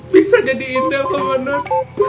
bisa jadi intel komandan